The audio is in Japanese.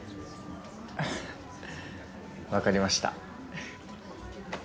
アハ分かりました。